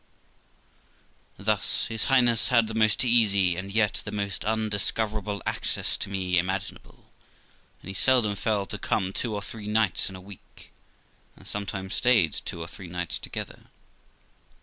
Thus his Highness had the most easy, and yet the most undiscoverable, access to me imaginable, and he seldom failed to come two or three nights in a week, and sometimes stayed two or three nights together.